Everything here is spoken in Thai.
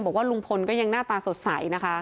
บอกว่าลุงพลก็ยังหน้าตาสดใสนะคะ